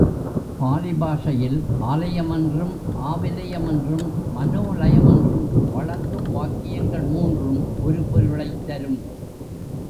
Poly பாஷையில் ஆலயமென்றும், ஆவிலயமென்றும் மனோலயமென்றும் வழங்கும் வாக்கியங்கள் மூன்றும் ஒரு பொருளைத் தரும்.